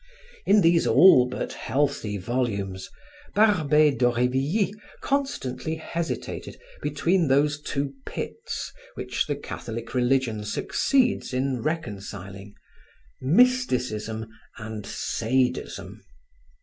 In these all but healthy volumes, Barbey d'Aurevilly constantly hesitated between those two pits which the Catholic religion succeeds in reconciling: mysticism and sadism.